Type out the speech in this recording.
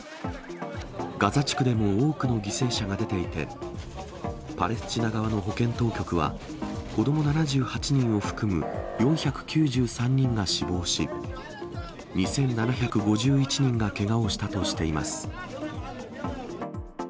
ガザ地区でも多くの犠牲者が出ていて、パレスチナ側の保健当局は、子ども７８人を含む４９３人が死亡し、２７５１人がけがをしたとしています。